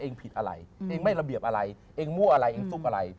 เองผิดอะไรเองไม่ระเบียบอะไรเองมั่วอะไรเองซุปอะไร